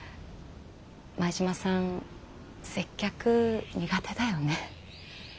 前島さん接客苦手だよね。